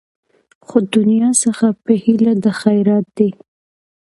خو دنیا څخه په هیله د خیرات دي